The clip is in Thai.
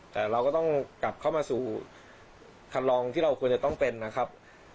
แต่เราก็ต้องกลับเข้ามาสู่คันลองที่เราควรจะต้องเป็นนะครับ